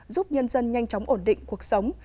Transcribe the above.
giúp nhân dân nhanh chóng ổn định cuộc sống